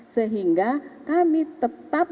sehingga kami tetap